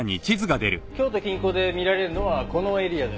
京都近郊で見られるのはこのエリアです。